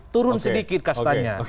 turun sedikit kastanya